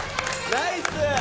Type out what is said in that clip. ナイス！